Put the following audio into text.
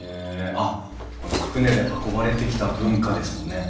あっこの船で運ばれてきた文化ですもんね。